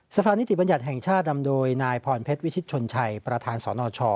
สภานิติบัญญัติแห่งชาตินำโดยนายพรเพชรวิชิตชนชัยประธานสนช